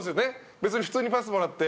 別に普通にパスもらって。